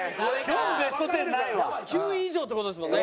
９位以上って事ですもんね。